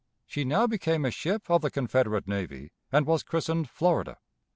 She now became a ship of the Confederate Navy, and was christened Florida.